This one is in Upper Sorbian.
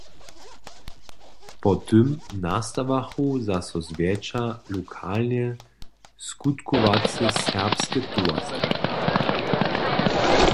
Po tym nastawachu zaso zwjetša lokalnje skutkowace serbske towarstwa.